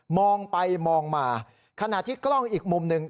มองไปมองมาขณะที่กล้องอีกมุมหนึ่ง